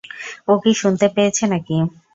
ও কি শুনতে পেয়েছে নাকি?